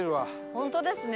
本当ですね。